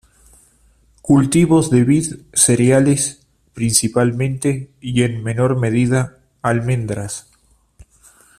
Cultivos de vid, cereales, principalmente y en menor medida almendras.